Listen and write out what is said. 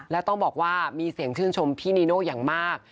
แล้วต้องบอกว่ามีเสียงชื่นชมพี่นีโน่อย่างมาก